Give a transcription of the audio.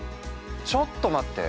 ちょっと待って。